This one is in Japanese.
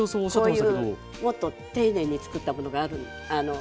こういうもっと丁寧に作ったものがあるの。